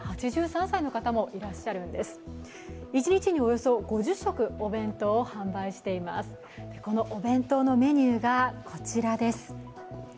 そのお弁当のメニューがこちらです。